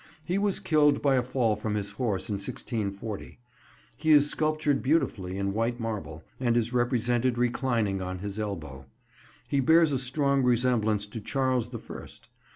He was killed by a fall from his horse in 1640. He is sculptured beautifully in white marble, and is represented reclining on his elbow. He bears a strong resemblance to Charles the First.